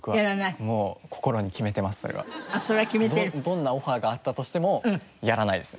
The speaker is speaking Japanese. どんなオファーがあったとしてもやらないですね。